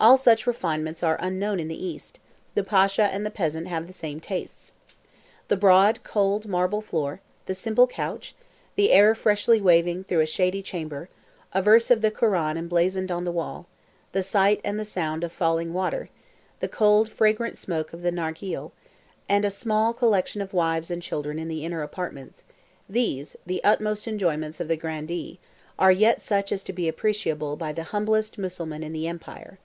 All such refinements are unknown in the East; the Pasha and the peasant have the same tastes. The broad cold marble floor, the simple couch, the air freshly waving through a shady chamber, a verse of the Koran emblazoned on the wall, the sight and the sound of falling water, the cold fragrant smoke of the narghile, and a small collection of wives and children in the inner apartments—these, the utmost enjoyments of the grandee, are yet such as to be appreciable by the humblest Mussulman in the empire.